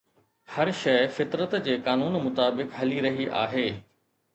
هر شيءِ فطرت جي قانون مطابق هلي رهي آهي.